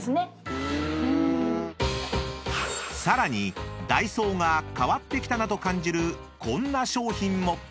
［さらにダイソーが変わってきたなと感じるこんな商品も］